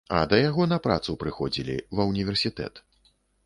А да яго на працу прыходзілі, ва ўніверсітэт.